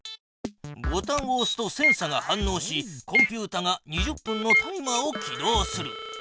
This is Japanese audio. ボタンをおすとセンサが反のうしコンピュータが２０分のタイマーを起動する。